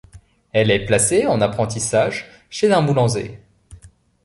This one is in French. Il est placé en apprentissage chez un boulanger.